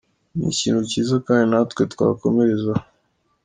Ni ikintu kiza kandi natwe twakomerezaho.